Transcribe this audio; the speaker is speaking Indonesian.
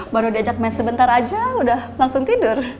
baru diajak main sebentar aja udah langsung tidur